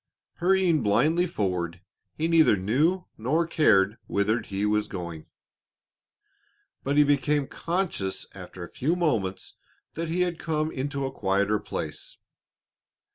Hurrying blindly forward, he neither knew nor cared whither he was going, but he became conscious after a few moments that he had come into a quieter place.